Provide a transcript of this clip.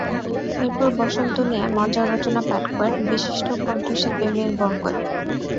এরপর বসন্ত নিয়ে মজার রচনা পাঠ করেন বিশিষ্ট কণ্ঠশিল্পী মীর বরকত।